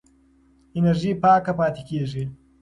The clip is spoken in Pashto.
انرژي پاکه پاتې کېږي.